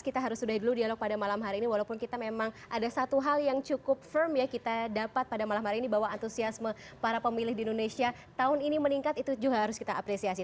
kita harus sudahi dulu dialog pada malam hari ini walaupun kita memang ada satu hal yang cukup firm ya kita dapat pada malam hari ini bahwa antusiasme para pemilih di indonesia tahun ini meningkat itu juga harus kita apresiasi